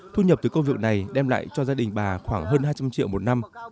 thu nhập từ công việc này đem lại cho gia đình bà khoảng hơn hai trăm linh triệu một năm